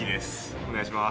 お願いします。